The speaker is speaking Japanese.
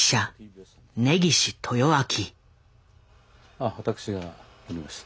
あ私がおりました。